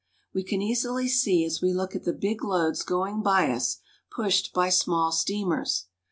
We can easily see as we look at the big loads going by us, pushed by small steamers.